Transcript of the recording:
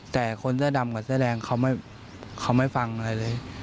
แต่คนเสื้อดำกับเสื้อแดงเขาไม่ฟังอะไรเลย